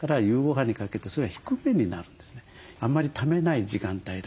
あんまりためない時間帯だよと。